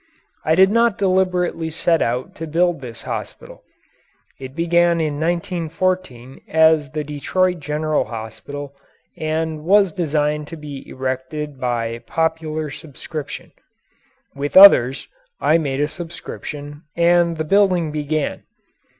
I did not deliberately set out to build this hospital. It began in 1914 as the Detroit General Hospital and was designed to be erected by popular subscription. With others, I made a subscription, and the building began.